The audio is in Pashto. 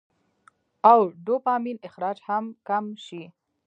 او ډوپامين اخراج هم کم شي -